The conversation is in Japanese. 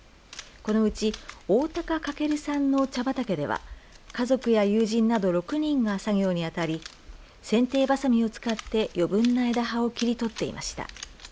このうち大高翔さんの茶畑では家族や友人など６人が作業にあたりせんていばさみを使って余分な枝葉を切り取っていました。